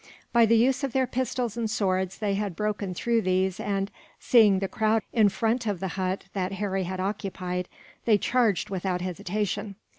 By the use of their pistols and swords they had broken through these and, seeing the crowd in front of the hut that Harry had occupied, they charged without hesitation.